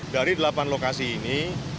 dari delapan lokasi ini